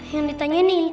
yang ditanya ini intan